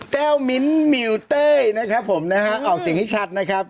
แต้วมิ้วเต้ยนะครับออกเสียงให้ชัดนะครับ